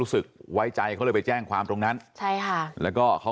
หกสิบล้านหกสิบล้านหกสิบล้านหกสิบล้านหกสิบล้าน